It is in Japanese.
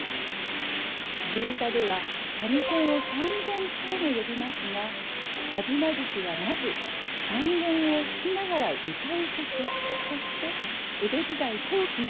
地唄では三味線を三絃とも呼びますが「吾妻獅子」はまず三絃を弾きながら歌う曲として江戸時代後期の大阪で作曲されました。